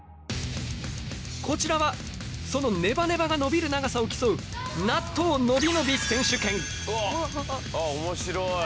こちらはそのネバネバが伸びる長さを競うあっ面白い。